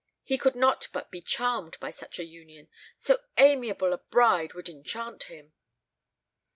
He could not but be charmed by such a union so amiable a bride would enchant him."